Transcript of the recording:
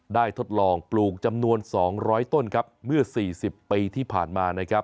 ได้ทดลองปลูกจำนวน๒๐๐ต้นเมื่อ๔๐ปีที่ผ่านมา